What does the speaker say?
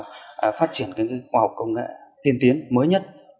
để phát triển các khoa học công nghệ tiên tiến mới nhất